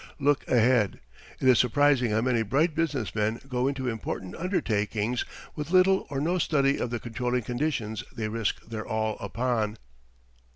Look ahead. It is surprising how many bright business men go into important undertakings with little or no study of the controlling conditions they risk their all upon.